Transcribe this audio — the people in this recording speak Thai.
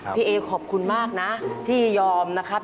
พี่เอขอบคุณมากนะที่ยอมนะครับ